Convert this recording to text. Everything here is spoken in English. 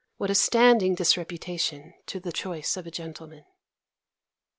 What a standing disreputation to the choice of a gentleman!